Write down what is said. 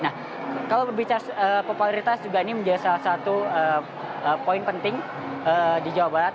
nah kalau berbicara popularitas juga ini menjadi salah satu poin penting di jawa barat